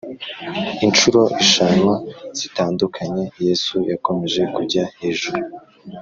incuro eshanu zitandukanye Yesu yakomeje kujya hejuru